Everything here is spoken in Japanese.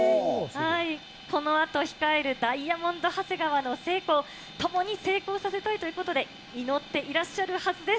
このあと控えるダイヤモンド長谷川の成功、ともに成功させたいということで、祈っていらっしゃるはずです。